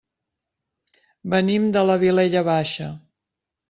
Venim de la Vilella Baixa.